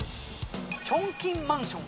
チョンキンマンション。